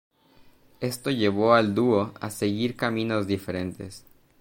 Esto llevó al dúo a seguir caminos diferentes.